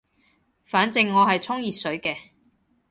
反正我係沖熱水嘅